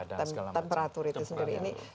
karena perubahan temperatur itu sendiri